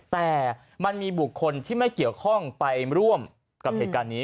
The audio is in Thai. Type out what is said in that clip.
แต่มันมีบุคคลที่ไม่เกี่ยวข้องไปร่วมกับเหตุการณ์นี้